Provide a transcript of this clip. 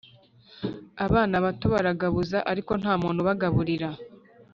Abana bato baragabuza, Ariko nta muntu ubagaburira.